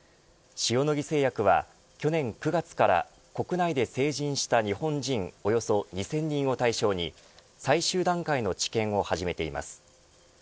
塩野義製薬は去年９月から国内で成人した日本人およそ２０００人を対象に最終段階の治験を始めています。